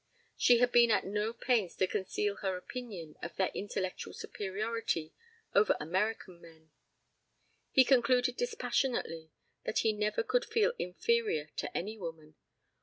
She had been at no pains to conceal her opinion of their intellectual superiority over American men. ... He concluded dispassionately that he never could feel inferior to any woman.